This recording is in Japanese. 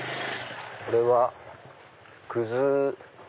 これはくず。